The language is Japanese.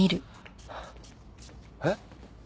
えっ？